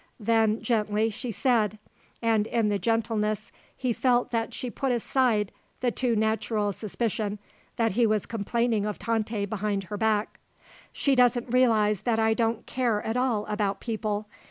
Then, gently, she said and in the gentleness he felt that she put aside the too natural suspicion that he was complaining of Tante behind her back: "She doesn't realise that I don't care at all about people.